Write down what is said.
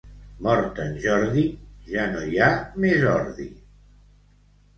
Mort en Jordi, ja no hi ha més ordi.